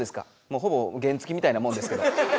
もうほぼ原付きみたいなもんですけど。